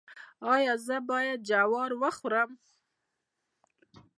ایا زه باید جوار وخورم؟